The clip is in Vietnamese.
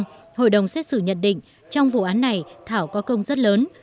trong đó hội đồng xét xử nhận định trong vụ án này thảo có công rất lớn